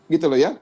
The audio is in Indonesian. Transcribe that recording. gitu loh ya